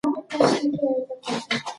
سید رسول رسا د باد په اړه یو بیت لري.